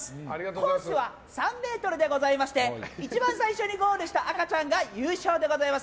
コースは３ｍでございまして一番最初にゴールした赤ちゃんが優勝でございます。